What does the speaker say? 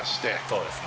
「そうですね」